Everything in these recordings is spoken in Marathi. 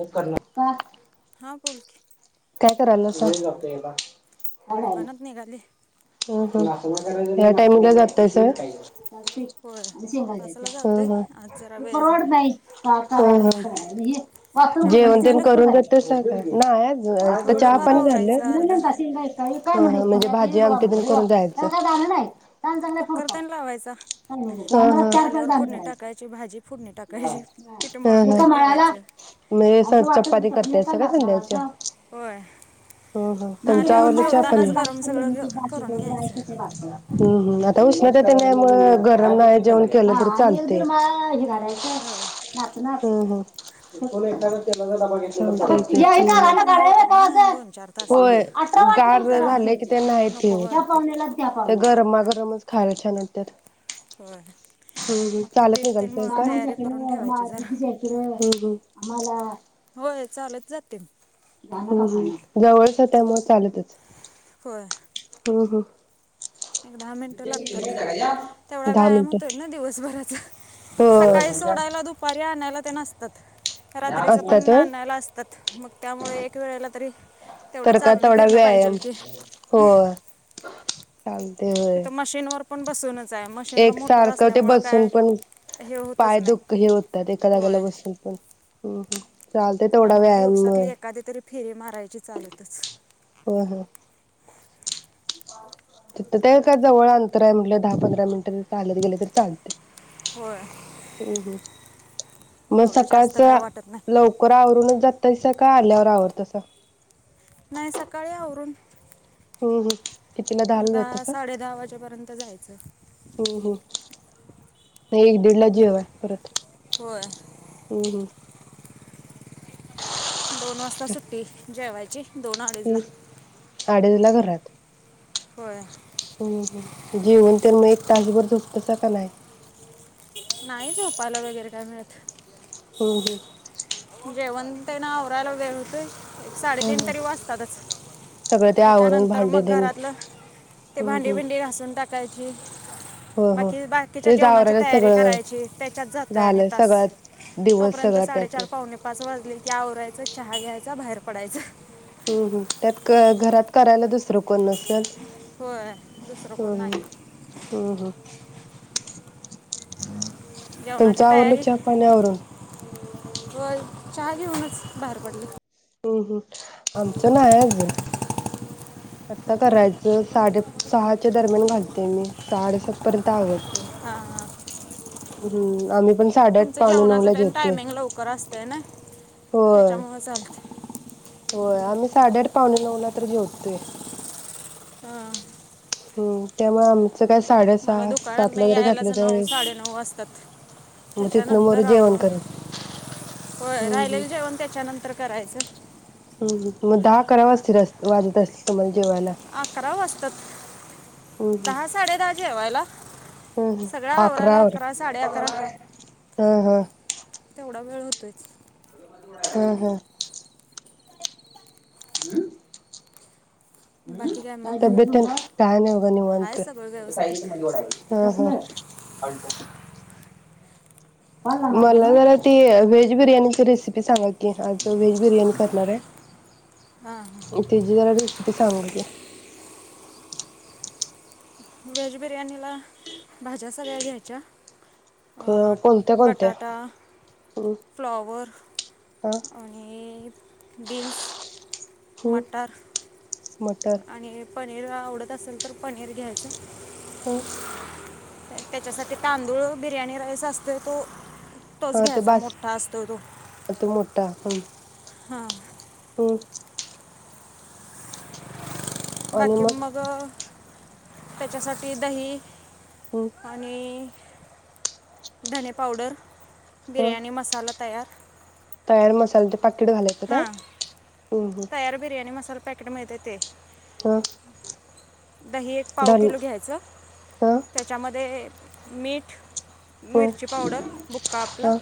बुक करणा हां. हां. बोलखी. काय करालायसा? दुकानात निघाली हम्-हम् या टाईम ला जातायसा होय व्हय, पाचला जातोय आज जरा वेळ झाला आवरायला हम्-हम् चहा जेवन पाणी तेन झालं करु [unintelligible] काय नाये हम् आता चहा थोडंफार पणी झालं. आवरायचं ह अर्ध म्हणजे भा [unintelligible] पण करून जाय [unintelligible] जालं नाही. कुक्कर तेन लावायचा, आमटी आल्यावर फोडणी टाकायची भाजी फोडणी टाकायची पीठ मळून त्यानं ठेवायचं हम्-हम् [unintelligible] सरचपाती [unintelligible] [unintelligible] होय ह ह तुमच आल्यावर आवरल चहा, पाणी? जेवतानाच गरम सगळं घे करून घ्यायचं त उष्णता तेवड्यामुळ गरम नाय जेवण केल तरी चालतय. ह हंम्म हंम्म कोण एकट्यान तेलाचा डबा घेतला ते चपात्या त्यानं हे होतात ना तरी दोन चार [unintelligible] तासात होय. त्या गार जरा झालय की ते त्यामुळं नाहीत हि नको वाटते हूत. ते गरमा गरमच खायला छान वाटत्यात. होय. [unintelligible] हम हम. मग ते चालत पीठ तेल मळून तयारी निघाल्यास करून ठेवायची जरा व्हय? होय चालत जाते मी. [unintelligible] हंम्म हम्म जवळच त्यामुळं चालतच. होय. हह. एक दहा मिनटं लागतात तेवढा दहा व्यायाम मिनिट होतोय ना दिवसभराचा. सकाळी होय सोडायला दुपारी आण [unintelligible] ते नसतात. रात्रीच पण असतात होय नानाला असत त्यात मग त्यामुळे एक वेळेला तरी तेवढं तर का चालणं तेवढा फिरणं व्यायाम पाहिजेल की. आलते होय. तिथं मशीनवर पण बसूनच. आहे मशीनला एक मोटर सारखं ते असल्यामुळं बसून काय पण हे होतच पाय नाही दुःख हे होतात एका जाग्याला बसून पण. हम्-हम् त्या मग दिवसातली एकादी तरी फेरी मारायची चालतच. तत् ते काय जवळ अंतर आहे म्हटलं दहा पंधरा मिनिटं न चालत गेल तर चालतंय. होय हम्-हम्, म एवढं जास्त सकाळचं काय वाटत नाही लवकर आवरूनच जातायसा काय आल्यावर आवर तसा नाही सकाळी आवरून. हम्-हम् एक दहा साडे दहा वाजेपर्यंत जायचं. एक-दिडला जेवाय परत. होय हम्-हम् दोन वासता सुट्टी. जेवायची. दोन अडीचला हम्, आडीजला घा रात होय हम्-हम्, जेवूनतेन एक तासभर झोपतासा का नाही? नाही झोपायला वगैरे काय मिळत. हम्-हम् जेवनतेन आवरायला वेळ होतोय. हम्म साडेतीन हम्म तरी वाजतातच. सगळं ते आवरून त्याच्यानंतर भांडे मग तेन घरातलं ते हम्म भांडी हम्म. भिंडी घासून टाकायची. हो हो बाकी बाकीच्या तेच जेवणाची आवरायला तयारी सगळं करायची. त्याच्यात जातोय आणि झालं तास. सगळा दिवस तोपर्यंत सगळा साडेचार त्यातच. पाच वाजलेकी आवरायचं चहा घ्यायचा बाहेर पडायचं. हम्-हम्, त्यात क घरात करायला दुस् तर कोण नसल? होय दुसरं कोण हं नाही हम्-हम् [inaudible] तुमच जेवणाची आवरलं चहा पानी आवरून? व्हय, चहा घेऊनच बाहेर पडले. हम्-हम् आमचं नाही आजून. आता करायचं. साडे सहाच्या दरम्यान घालतोय मी. साडेसात पर्यंत आवर हां-हां हम्म आम्ही पण साडेआठ तुमचं पावणे नऊला जेवणाचतेन जेवतोय. टायमिंग लवकर असतय ना, होय तेच्यामुळ चालतय. होय आम्ही साडेआठ पावणे नऊला तर जेवतोय. हां हम्म त्यामुळं आम मला दुकानात नाही यायलाच नऊ त्यावेळी साडे नऊ वाजतात. मग तिथनं मोर त्याच्यानंतर जेवण आवरून, करत होय हम्म हम्म राहिलेलं जेवण त्याच्या नंतर करायचं. हम्म मग दहा आकरा वाजत असतील तुम्हाला जेवायला. अकरा वाजतात. हम्म हम्म दहा साडे दहा जेवायला हम्म हम्म सगळं आकरा आवरायला अकरा साडे अकरा हं हं. तेवढा वेळ होतोयच. ह ह [inaudible] बाकी काय मग तबेततेन काय नाही बा आहे निवांत. सगळं व्यवस्थित ह ह मला जरा ते व्हेज बिर्याणीची रेसिपी सांगा की आज व्हेज बिर्याणी करणार हाय. हां हां तेजी जरा रे सीपी सांगा की? व्हेज बिर्याणीला भाज्या सगळ्या घ्यायच्या. कोणत्या कोणत्या बटाटा, हम्म फ्लॉवर, हा आणि बिन्स, हम्म मटार. मटर आणि पनीर आवडत असेल तर पनीर घ्यायचं. हम्म. त्याच्यासाठी तांदूळ बिर्याणी राईस असतोय तो हा तोच ते घ्यायचा बास मोठा असतो त मोठा हम हा. हम्म. आणि बाकी मग मगं त्याच्यासाठी दही हम्म आणि धणे पावडर हा बिर्याणी मसाला तयार तयार मसाल तर पाकीट घालायचं काय? हां हम्म तयार बिरयाणी मसाला पॅकेट मिळतंय ते. हा. दही एक पाव धन किलो घ्यायचं हा त्याच्यामध्ये मीठ ह मिरची पावडर बुक्का आपला हा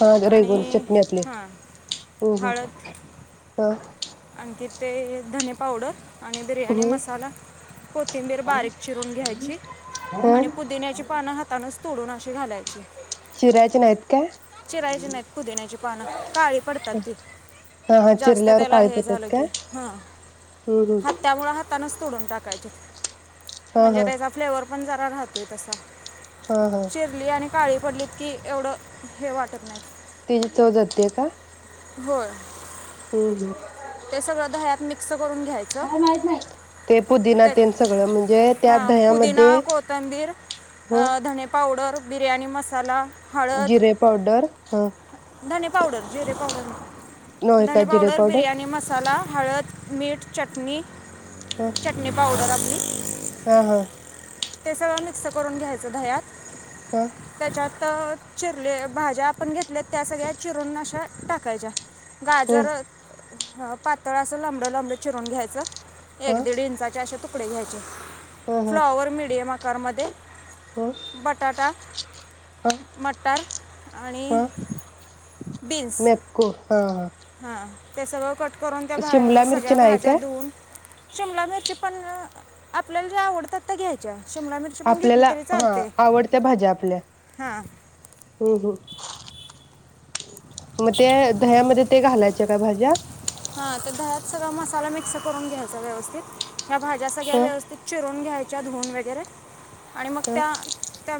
हा रेगुलर आणि चटणी आपली हा हम्म हम्म हळद. हा आणखी ते धने पावडर आणि बिर्याणी हम्म मसाला कोथिंबीर बारीक चिरून घ्यायची हा आणि पुदिन्याची पानं हाताानच तोडून अशी घालायची चिरायचे नाहीत काय? चिरायचे नाहीत पुदिण्याची पानं काळी पडतात ती हा हा जास्त चिरल्यावर त्याला काळे हे पडतात झालं की काय ह हम्म हम्म हत्यामुळ हातानचं तोडून टाकायची. हा म्हणजे हा त्याचा फ्लेवर पण जरा राहतोय तसा. हा हा चिरली आणि काळी पडलीत की एवढं हे वाटत नाही. त्याची चव जाते का? होय. हम्म हम्म ते सगळं दह्यात मी ते पुदिना ते तेन सगळं म्हणजे त्या हां पुदिना दह्यामध्ये कोथिंबीर अ, म धणे पावडर बिर्याणी मसाला हळद पावडर ह. धने पावडर जिरे पावडर नाही. नव्हे का धने जिरे पावडर, बिर्याणी मसाला हळद, मीठ, चटणी ह चटणी पावडर आपल. हा हा. ते सगळं मिक्स करून घ्यायचं दह्यात ह त्याच्यात तर चिर ते भाज्या आपण घेतल्यात त्या सगळ्या चिरून अशा टाकायच्या. ह गाजर ह पातळ असं लंबे लंबे चिरून घ्यायचं ह ह एक दीड इंचाचे आशे तू तुकडे घ्यायचे. फ्लॉवर मीडियम आ कुकर मध्ये ह ह बटाटा ह म मटार आणि म्यापको हां हां. हा ते सगळं कट करून त्या भा् मिरची सगळ्या नाही भाज्या काय धुवून शिमला मिरची पण आपल्याला जे आवडतात त्या घ्यायच्या. शिमला मिरची पण घेतली आपल्याला तरी हा चालते आवडत्या भाज्या आपल्या हां हम् हम्. म ते दह्यामध्ये ते घालायचा काय भाज्या? हा त्या दह्यात सगळा मसाला मिक्स करून घ्यायचा व्यवस्थित, ह्या भाज्या सगळ्या ह व्यवस्थित चिरून घ्यायच्या. च्या धुवून वगैरे आणि मग ह त्या त्या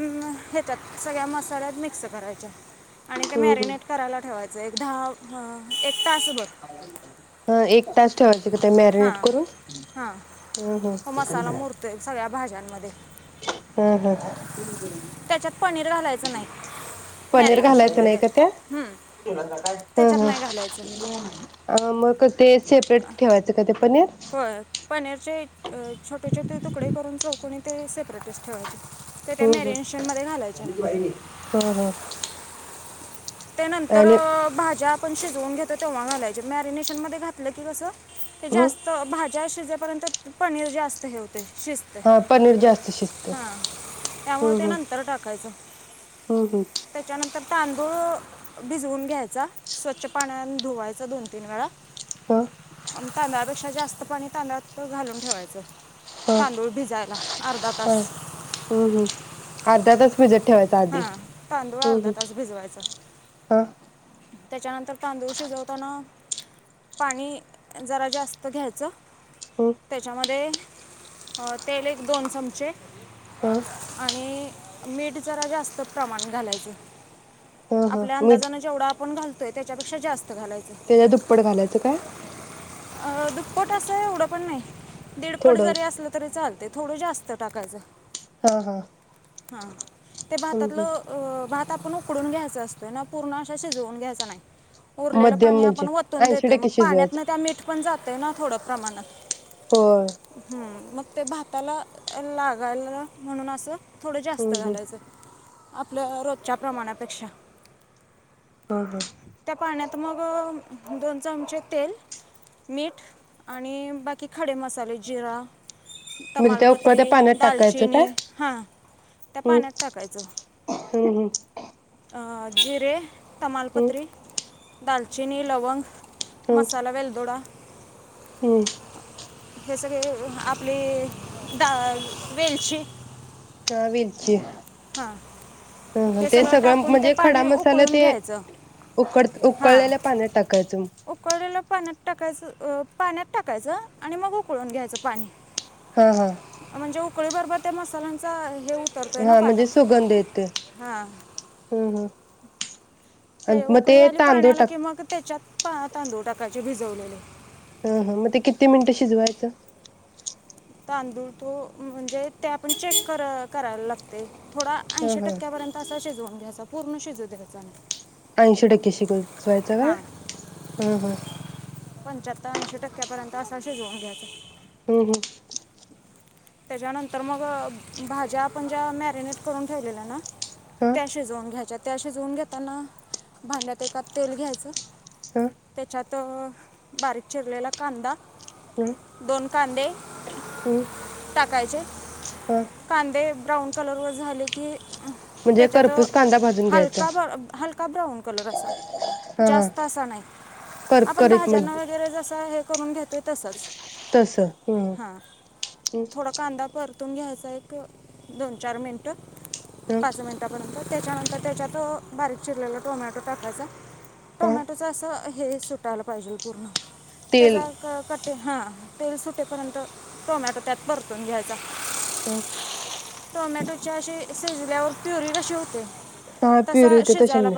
हेच्यात सगळ्या मसाल्यात मिक्स करायच्या, आणि ते हम्म हम् मॅरिनेट करायला ठेवायाचं. एक दहा म एक तास बर ह एक तास ठेवायचं. तिक ते मॅरिनेट हां करू हां हम ह मध्ये हम ह त्याच्यात पनीर घालायचं नाही पनीर घालायचं नाही मॅरिनेशनमध्ये का हम्म, त्यात हम त्याच्यात नाही घालायचं ह मग ते सेपरेट ठेवायचं का ते पनीर होय पनीरचे छोटे छोटे तुकडे करून चौकणी ते सेपरेटच ठेवायचे. ते त्या हम् मॅरिनेशनमध्ये घालायचे हम नाही हा हा. त्यानंतर आणि भाज्या पण शिजवून घेतो तेव्हा घालायचे मॅरिनेशनमध्ये घातलं की कसं ते ह जास्त भाज्या शिजेपर्यंत पनीर जास्त हे हो शिजतंय हा पनीर जास्त शिजते हा त्यामुळं हम्म ते हम् नंतर टाकायचं. हम्म हम्म तर तांदूळ भिजवून घ्यायचा स्वच्छ पाण्यान धुवायचा दोन तीन वेळा हा तांदळापेक्षा जास्त पाणी तांदळात घालून ठेवायचं तांदूळ भिजायला. अर्धा ह तास हम्म हम्म अर्धा तास भिजत ठेवायचा आधी हा तांदूळ हम्म अर्धा हम्म तास भिजवायचा हा त्याच्यानंतर तांदूळ शिजवताना पाणी जरा जास्त घ्यायचं. हम्म त्याच्यामध्ये अ तेल एक दोन चमचे. हा आणि मीठ जरा जास्त प्रमाण घालायचे. हा हा आपल्या मीठ अंदाजाने जेवढा आपण घालतो त्याच्यापेक्षा जास्त घालायचं त्याच्या दुप्पट घालायचं काय? पट अस एवढं पण नाही. दीडपड थोडं जरी असलं तरी चालतय. थोडं जास्त टाकायचं. हा हा. हां ते हम्म भातातलं हम्म अ भात आपण उकडून घ्यायचा असतोय ना, पूर्ण असा शिजवून घ्यायचा नाय. उरलेलं मध्यम पाणी म्हणजे आपण वतून ऐंशी देतोय मग टक्के शिजवायचं पाण्यातन त्या मीठ पण जात ते ना थोडं प्रमाणात होय हम्म. मग ते भाताला लागायला म्हणून असं थोडं हम्म फत हम्म घालायचं आपल रोजच्या प्रमाणापेक्षा हा हा. त्या पाण्यात मग दोन चमचे तेल, मीठ आणि बाकी खडे मसाले. जिरा, म्हणजे त्या तमालपत्री, उकळत्या पाण्यात टाकायचं काय दालचिनी हां. त्या हम्म पाण्यात टाकायचं हम्म हम्म. आ जिरे हम्म तमालपत्री दालचिनी, लवंग हम्म मसाला वेलदोडा हम्म. हे सगळे आपली द वेलची हा वेलची हां ह हे ते सगळं टाकून ते म्हणजे खडा पाणी मसाला उकळून ते घ्यायचं उकड हां उकळलेल्या पाण्यात टाकायचं. उकळलेलं पाण्यात टाकायचं पाण्यात टाकायचं आणि मग उकळून घ्यायचं पाणी. हा हा. म्हणजे उकळीबरोबर त्या मसाल्यांचा हे उतरतोय ना हा म्हणजे पाण्यात सुगंध येतोय. हां हं हं. ते उकळी आली पाण्याला कि मग ते च्यात पहा तांदूळ टाकायचे भिजवलेले. हा हा मग ते किती मिनिटं शिजवायचं. तांदूळ तो म्हणजे ते आपण चेक कर करायला लागतेय. थोडा हा ऐंशी हा टक्क्यापर्यंत असा शिजवुन म्हणजे पूर्ण शिजत द्यायचा नाही. ऐंशी टक्के शिजवुन जवायचा का? हां ह हां. पंच्याहत्तर ऐंशी टक्क्यापर्यंत असं शिजवून घ्यायचं. हम्म हम्. त्याच्यानंतर मग भाज्या आपण ज्या मॅरिनेट करून ठेवलेल्या ना. हा त्या शिजवून घ्यायच्यात. ते शिजवून घेताना भांड्यात एका तेल घ्यायचं. ह त्याच्यात त बारीक चिरलेला कांदा. नाय. दोन कांदे - - टाकायचे हा कांदे ब्राऊन कलर वर झाले की म्हणजे त्याच्यात करपूस कांदा भाजून घ्यायचा. हा बाऊन कलर असा हा हा जास्त असा नाही. कर आपण करीत म भाज्यांना वगैरे जसा हे - - करून घेतोय तसचं - - तस हंम्म. थोडा कांदा परत - - तुन घ्यायचा एक दोन चार मिनिट. हं पाच मिनिटापर्यंत त्याच्यानंतर त्याच्यात बारीक चिरलेला टोमॅटो टाकायचा हा टोमॅटोचं असं हे सुटायला पाहिजे पूर्ण तेल त्याचा कर - - हा तेल सुटे पर्यंत टोमॅटो त्यात परतून घ्यायचा. हंम्म. टोमॅटोच्या अशी शिजल्यावर प्युरी कशी होते. हा पिरी तसा होते तशी शिजायला म्हणे.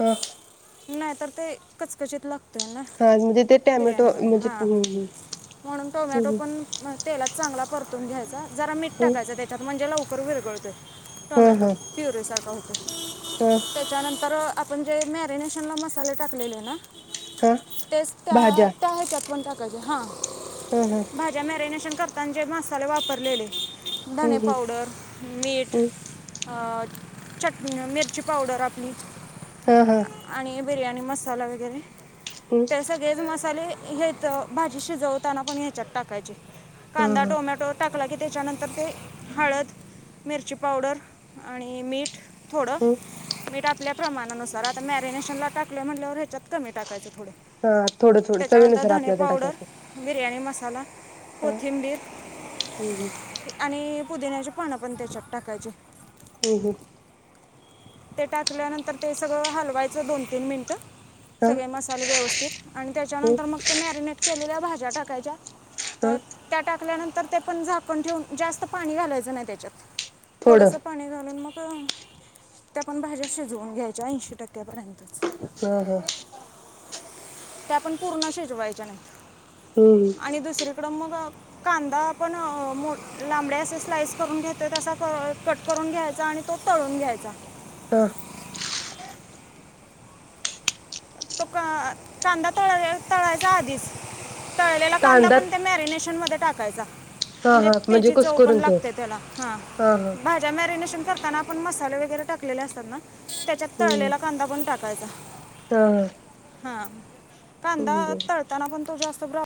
हा. नाही तर ते कचकचित लागत. होना हा म्हणजे ते टॅमॅटो बिर्याणि मध्ये म्हणजे हा हम् म्हणुन टोमॅटो पण तेलात चांगला परतून घ्यायचा जरा मीठ हम् टाकायचं त्याच्यात म्हणजे लवकर पार विरघळतय हा टोमॅटो हा प्युरे सारखा होतो हा त्याच्यानंतर आपण जे मॅरनेशनला मसाले टाकलेले ना हा तेच त्या त्या भाज्या त्याह्याच्यात म्हणतात हा हा हा भा मॅरिनेशन करतांना जे मसाले वापरलेले हम्म धणे हम्म पावडर मीठ हम् अ चटणी मिर्ची पावडर आपली ह ह आणि बिर्याणी मसाला वगैरे ते सगळेच मसाले हेेत भाजी शिजवतांना पण हेच्यात टाक काजू हा कांदा हा टोमॅटो टाकला की त्याच्यानंतर ते हळद मिरची पावडर आणि मीठ. थोडं हम् मीठ ह्या प्रमाणानुसार आता मॅरिनेशनला टाकलं म्हंटल्यावर ह्याच्यात कमी टाकायचं पुढं हा थोडं थोडं त्याच्यानंतर चवीनुसार धने आपल्याला पावडर, टाकायचं बिर्याणी मसाला, हा कोथिंबीर हम्म हम्म आणि [unintelligible] देण्याची पानं पण त्याच्यात टाकायची हं हं ते टाकल्यानंतर ते सगळं हलवायचं दोन तीन मिनिटं हा सगळे मसाले व्यवस्थित आणि हम् त्याच्यानंतर मग ते मॅरिनेट केलेल्या भाज्या टाकायच्या हा हं त्या टाक सुकल्यानंतर ते पण झाकण ठेवून जास्त पाणी घालायचं नाही त्याच्यात थोडं थोडस पाणी घालून मग [unintelligible] त्या पण भाज्या शिजवून घ्यायच्या ऐंशी टक्क्यापर्यंत हा हा त्या पण पूर्ण शिजवायच्या नाहीत. हम्म. आणि दुसरीकडं मग कांदा आपण मो लांबडे असे स्लाइस करून घेतो तसा कट करून घ्यायचा आणि तो तळून घ्यायचा. ह. तो का कांदा थोडा वेळ तळायचा आधीच. तळलेला कांदा पण ते मॅरिनेशन मध्ये टाक कायचा. [unintelligible] हा म्हणजे हा तेची चव पण कुसकरून ठेव लागते त्याला हा भाज्या मॅरिनेशन करताना मसाले वगैरे टाकलेले असतात ना. त्याच्यात हम्म तळलेला कांदा पण टाकायचा. हा हा हा. कांदा बर तळतांना पण तो जास्त प्र